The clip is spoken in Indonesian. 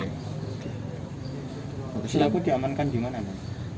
pelaku diamankan di mana